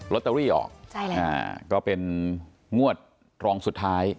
ตเตอรี่ออกใช่แล้วก็เป็นงวดรองสุดท้าย